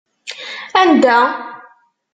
Anda?